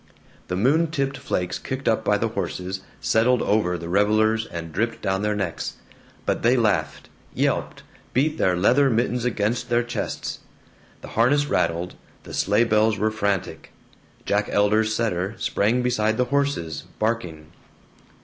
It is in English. The moon tipped flakes kicked up by the horses settled over the revelers and dripped down their necks, but they laughed, yelped, beat their leather mittens against their chests. The harness rattled, the sleigh bells were frantic, Jack Elder's setter sprang beside the horses, barking.